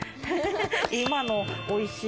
今の「おいしい」。